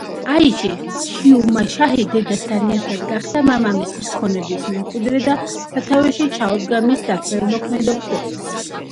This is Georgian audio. აიშე ჰიუმაშაჰი, დედამისთან ერთად გახდა მამამისის ქონების მემკვიდრე და სათავეში ჩაუდგა მის საქველმოქმედო ფონდს.